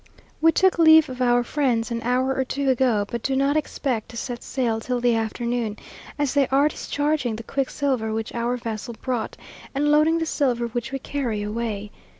We took leave of our friends an hour or two ago, but do not expect to set sail till the afternoon, as they are discharging the quicksilver which our vessel brought, and loading the silver which we carry away.